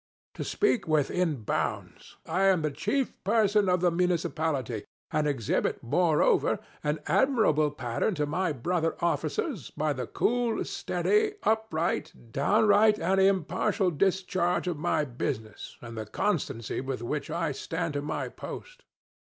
To speak within bounds, I am the chief person of the municipality, and exhibit, moreover, an admirable pattern to my brother officers by the cool, steady, upright, downright and impartial discharge of my business and the constancy with which I stand to my post.